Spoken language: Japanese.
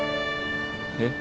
えっ？